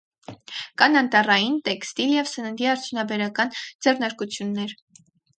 Կան անտառային, տեքստիլ և սննդի արդյունաբերական ձեռնարկություններ։